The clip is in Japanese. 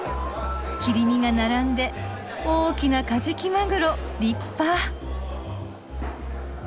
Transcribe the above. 切り身が並んで大きなカジキマグロ立派。